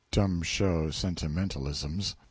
(Dumb show sentimentalisms.)